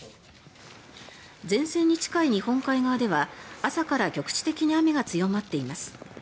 前線に近い日本海側では朝から局地的に雨が強まっています。